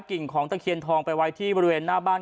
กิ่งของตะเคียนทองไปไว้ที่บริเวณหน้าบ้าน